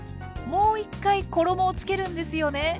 もう１回衣をつけるんですよね？